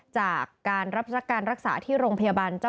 จากการรักษา